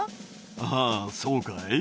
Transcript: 「あぁそうかい？」